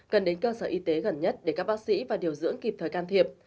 cần đến cơ sở y tế gần nhất để các bác sĩ và điều dưỡng kịp thời can thiệp